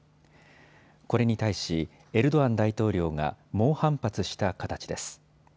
これに対しエルドアン大統領が猛反発した形です。